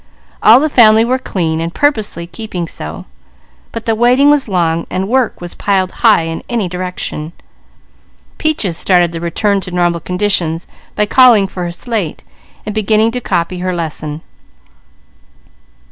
All the family were clean and purposely keeping so; but the waiting was long, while work was piled high in any direction. Peaches started the return to normal conditions by calling for her slate, and beginning to copy her lesson.